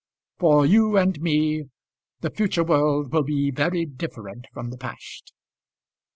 For you and me the future world will be very different from the past."